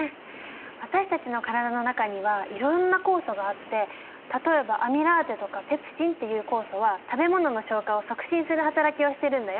私たちの体の中にはいろんな酵素があって例えばアミラーゼとかペプシンっていう酵素は食べ物の消化を促進するはたらきをしてるんだよ。